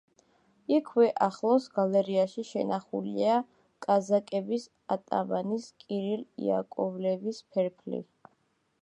იქვე, ახლოს, გალერეაში შენახულია კაზაკების ატამანის კირილ იაკოვლევის ფერფლი.